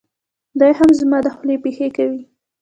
دی هم زما دخولې پېښې کوي.